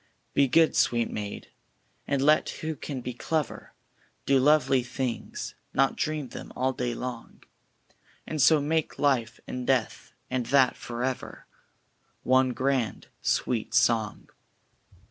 Be good, sweet maid, and let who can be clever; Do lovely things, not dream them, all day long; And so make Life, and Death, and that For Ever, One grand sweet song.